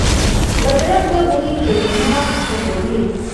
بدرنګه بوی دماغ تنګوي